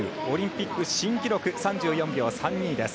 オリンピック新記録３４秒３２。